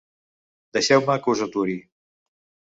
Deixeu-me que us aturi.